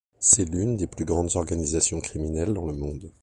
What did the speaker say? C'est l'une des plus grandes organisations criminelles dans le monde.